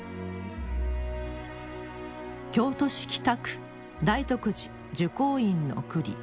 京都市北区大徳寺聚光院の庫裏。